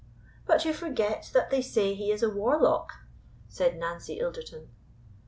"But you forget that they say he is a warlock," said Nancy Ilderton.